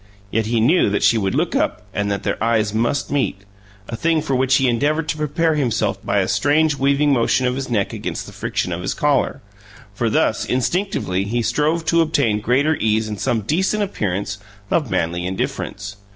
Yet he knew that she would look up and that their eyes must meet a thing for which he endeavored to prepare himself by a strange weaving motion of his neck against the friction of his collar for thus, instinctively, he strove to obtain greater ease and some decent appearance of manly indifference.